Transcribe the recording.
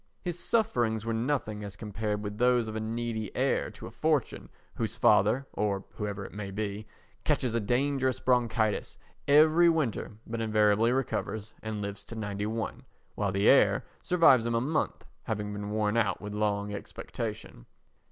His sufferings were nothing as compared with those of a needy heir to a fortune whose father, or whoever it may be, catches a dangerous bronchitis every winter but invariably recovers and lives to 91, while the heir survives him a month having been worn out with long expectation.